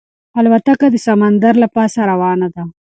الوتکه د سمندر له پاسه روانه وه.